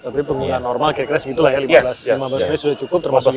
tapi penggunaan normal kira kira segitu lah ya lima belas menit sudah cukup termasuk